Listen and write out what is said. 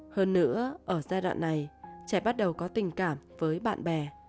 hơn nữa ở giai đoạn này trẻ bắt đầu có tình cảm với bạn bè